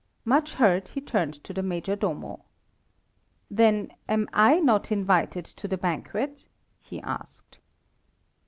Much hurt he turned to the Major Domo. "Then am I not invited to the banquet?" he asked.